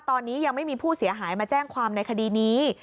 ตอนนี้ยังไม่มีผู้เสียหายมาแจ้งความในคดีนี้